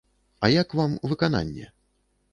А як вам выкананне?